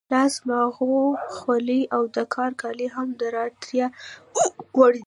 لاس ماغو، خولۍ او د کار کالي هم د اړتیا وړ دي.